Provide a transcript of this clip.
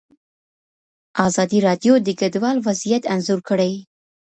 ازادي راډیو د کډوال وضعیت انځور کړی.